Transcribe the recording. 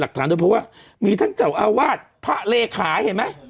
คำนามติดผม